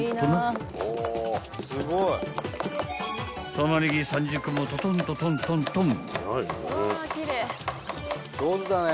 ［タマネギ３０個もトトンとトントントン］